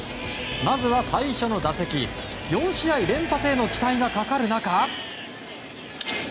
まずは最初の打席４試合連発への期待がかかる中。